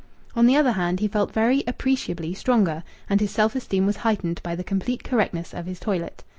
On the other hand, he felt very appreciably stronger, and his self esteem was heightened by the complete correctness of his toilet.